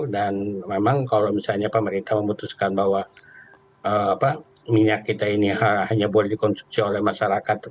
dan memang kalau misalnya pemerintah memutuskan bahwa minyak kita ini hanya boleh dikonsumsi oleh masyarakat